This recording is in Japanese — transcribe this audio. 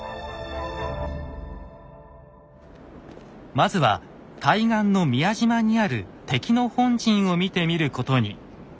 まずは対岸の宮島にある敵の本陣を見てみることに。